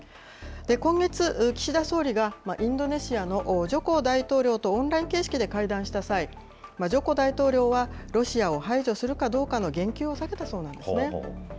今月、岸田総理がインドネシアのジョコ大統領とオンライン形式で会談した際、ジョコ大統領はロシアを排除するかどうかの言及を避けたそうなんですね。